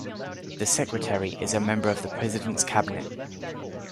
The Secretary is a member of the President's Cabinet.